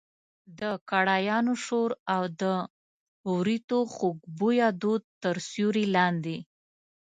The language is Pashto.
د کړایانو شور او د وریتو خوږ بویه دود تر سیوري لاندې.